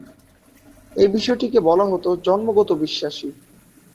এ বিষয়টিকে বলা হত "জন্মগত বিশ্বাসী"।